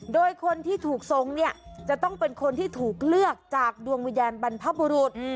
โดยคนที่ถูกทรงเนี่ยจะต้องเป็นคนที่ถูกเลือกจากดวงวิญญาณบรรพบุรุษ